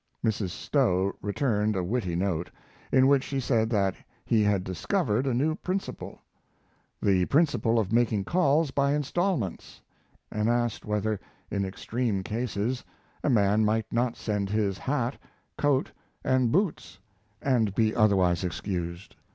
Mrs. Stowe returned a witty note, in which she said that he had discovered a new principle, the principle of making calls by instalments, and asked whether, in extreme cases, a man might not send his hat, coat, and boots and be otherwise excused.